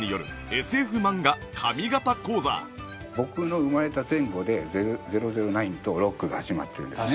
僕の生まれた前後で『００９』と『ロック』が始まってるんですね。